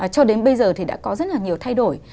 cho đến bây giờ thì đã có rất là nhiều thay đổi